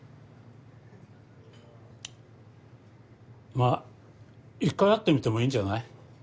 まあ１回会ってみてもいいんじゃない？